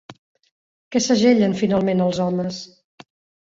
Què segellen finalment els homes?